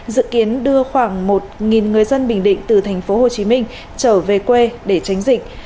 dự kiến đưa khoảng một người dân bình định từ tp hcm trở về quê để tránh dịch